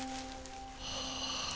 はあ。